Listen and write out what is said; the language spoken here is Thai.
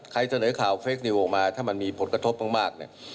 เสนอข่าวเฟคนิวออกมาถ้ามันมีผลกระทบมากเนี่ย